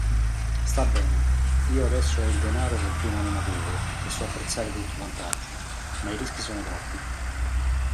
Sta bene: io adesso ho il denaro che prima non avevo e so apprezzare tutti i vantaggi, ma i rischi sono troppi.